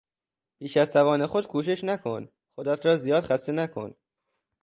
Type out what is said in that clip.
بیش از توان خود کوشش نکن، خودت را زیاد خسته نکن.